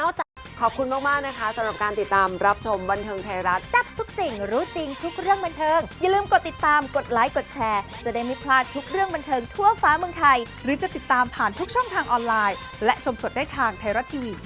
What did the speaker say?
โอ้โหนะคะสถานีต่อไปก็ต้องมีเบบีให้แฟนคลับได้ตามกันแล้วเหรอ